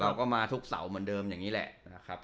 เราก็มาทุกเสาร์เหมือนเดิมอย่างนี้แหละนะครับ